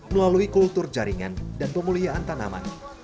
melalui kultur jaringan dan pemulihaan tanaman